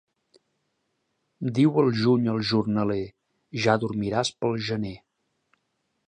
Diu el juny al jornaler: ja dormiràs pel gener.